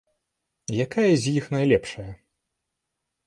Якая з іх найлепшая?